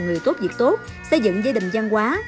người tốt việc tốt xây dựng gia đình giang hóa